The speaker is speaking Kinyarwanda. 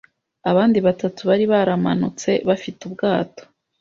abandi batatu bari baramanutse bafite ubwato.